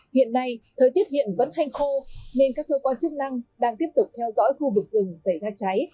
hiện nay thời tiết hiện vẫn hanh khô nên các cơ quan chức năng đang tiếp tục theo dõi khu vực rừng xảy ra cháy